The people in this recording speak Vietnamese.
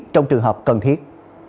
trong trường hợp cần thiết